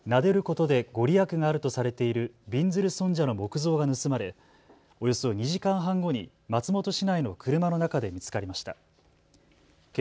今月５日の朝、長野市の善光寺の本堂に置かれなでることで御利益があるとされているびんずる尊者の木像が盗まれ、およそ２時間半後に松本市内の車の中で見つかりました。